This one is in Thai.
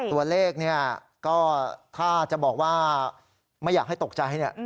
ตัวเลขถ้าจะบอกว่าไม่อยากให้ตกใจ